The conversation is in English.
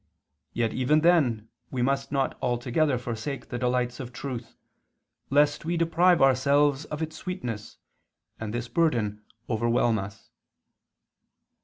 Yet even then we must not altogether forsake the delights of truth, lest we deprive ourselves of its sweetness, and this burden overwhelm us."